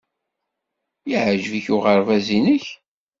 Yeɛjeb-ik uɣerbaz-nnek?